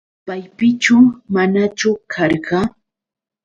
¿Paypichu manachu karqa?